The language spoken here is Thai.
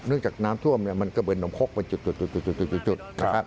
เนื่องจากน้ำท่วมมันเกบินหนมคกมันจุดนะครับ